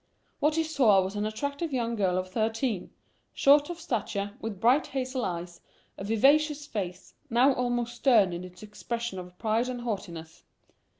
What he saw was an attractive young girl of thirteen, short of stature, with bright hazel eyes, a vivacious face, now almost stern in its expression of pride and haughtiness.